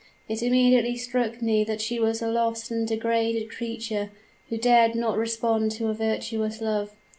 It immediately struck me that she was a lost and degraded creature, who dared not respond to a virtuous love.